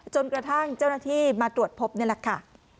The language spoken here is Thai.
จนกระทั่งเจ้าหน้าที่มาตรวจพบนี่แหละค่ะ